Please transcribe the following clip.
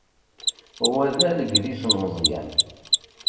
Wa d alegdis n Meẓyan.